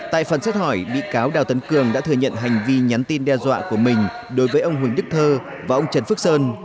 tại phần xét hỏi bị cáo đào tấn cường đã thừa nhận hành vi nhắn tin đe dọa của mình đối với ông huỳnh đức thơ và ông trần phước sơn